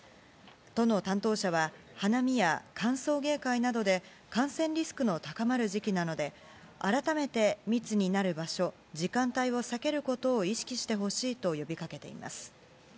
都の担当者は花見や歓送迎会などで感染リスクの高まる時期なので改めて密になる場所時間帯を避けることを意識してほしいと呼びかけています。